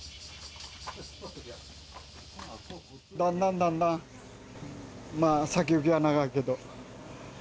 だんだんだんだんまあ先行きは長いけど。